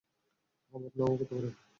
আবার না-ও করতে পারে।